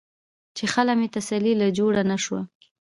چې خله مې تسلۍ له جوړه نۀ شوه ـ